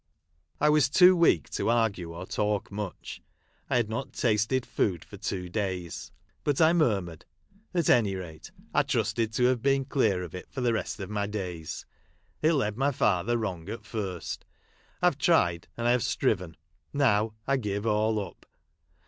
I was too weak to argue or talk much. I Lad not tasted food for two days. But I mur mured, " At any rate, I trusted to have been clear of it for the rest of my days. It led my father wrong at first. I have tried and I have striven. Now I give all up.